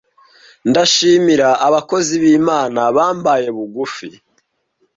ndashimira abakozi b’Imana bambaye bugufi,